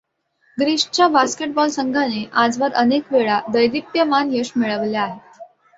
ग्रीसच्या basketball संघाने आजवर अनेक वेळा दैदिप्यमान यश मिळवले आहे.